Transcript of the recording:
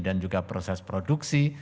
dan juga proses produksi